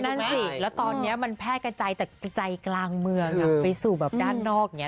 นั่นสิแล้วตอนเนี่ยมันแพร่กระจายแต่กระจายกลางเมืองไปสู่แบบด้านนอกเนี่ย